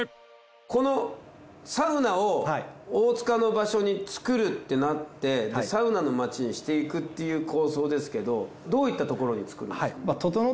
このサウナを大塚の場所に作るってなってサウナの街にしていくっていう構想ですけどどういったところに作るんですか？